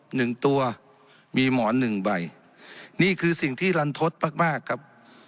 หนึ่งตัวมีหมอนหนึ่งใบนี่คือสิ่งที่รันทศมากมากครับ